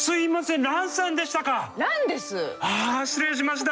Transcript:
ああ失礼しました。